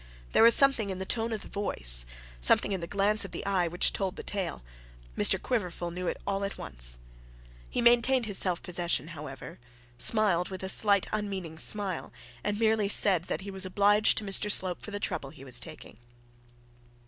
There was something in the tone of the voice, something in the glance of the eye, which told the tale. Mr Quiverful knew it all at once. He maintained his self possession, however, smiled with a slight unmeaning smile, and merely said that he was obliged to Mr Slope for the trouble he was taking.